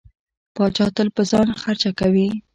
پاچا تل په ځان خرچه کوي.